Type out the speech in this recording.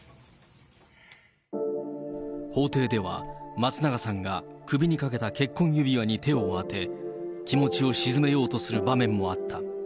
法廷では松永さんが首にかけた結婚指輪に手を当て、気持ちを静めようとする場面もあった。